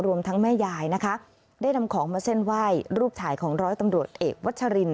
รวมทั้งแม่ยายนะคะได้นำของมาเส้นไหว้รูปถ่ายของร้อยตำรวจเอกวัชริน